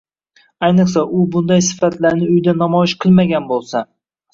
ayniqsa u bunday sifatlarni uyda namoyish qilmagan bo‘lsa.